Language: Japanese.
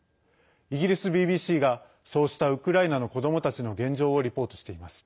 イギリスＢＢＣがそうしたウクライナの子どもたちの現状をリポートしています。